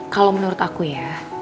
kalau menurut aku ya